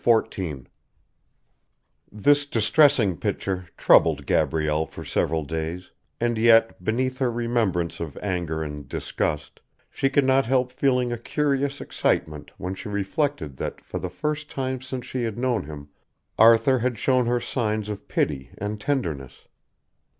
XIV This distressing picture troubled Gabrielle for several days, and yet, beneath her remembrance of anger and disgust, she could not help feeling a curious excitement when she reflected that, for the first time since she had known him, Arthur had shown her signs of pity and tenderness.